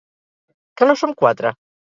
Que no som quatre?